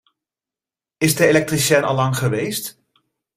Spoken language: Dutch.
Is de elektricien al lang geweest?